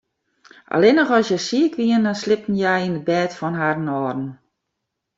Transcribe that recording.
Allinnich as hja siik wiene, sliepten hja yn it bêd fan harren âlden.